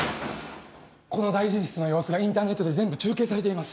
この大臣室の様子がインターネットで全部中継されています。